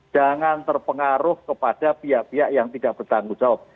jangan terpengaruh kepada pihak pihak yang tidak bertanggung jawab